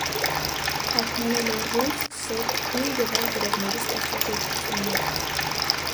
Թարգմանել է ռուս, սերբ, հույն և այլ գրողների ստեղծագործություններից։